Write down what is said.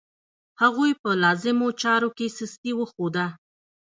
هغوی په لازمو چارو کې سستي وښوده.